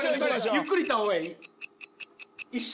ゆっくりいった方がいい？一緒？